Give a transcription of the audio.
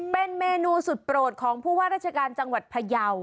เป็นเมนูสุดโปรดของผู้ว่าราชการจังหวัดพยาว